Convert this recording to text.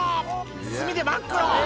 墨で真っ黒！」